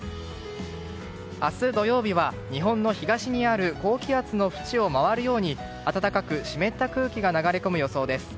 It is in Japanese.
明日土曜日は、日本の東にある高気圧の縁を回るように暖かく湿った空気が流れ込む予想です。